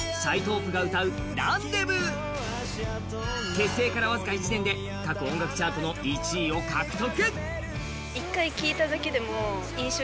結成から僅か１年で各音楽チャートの１位を獲得！